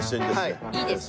いいですね。